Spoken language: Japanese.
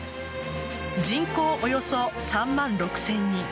人口およそ３万６０００人。